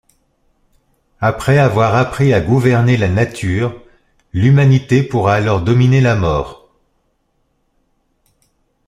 Après avoir appris à gouverner la nature, l’humanité pourra alors dominer la mort.